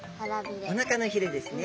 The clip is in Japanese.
おなかのひれですね。